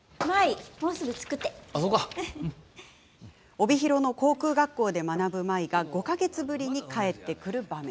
帯広の航空学校で学ぶ舞が５か月ぶりに帰ってくる場面。